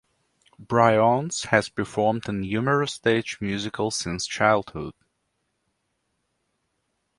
Briones has performed in numerous stage musicals since childhood.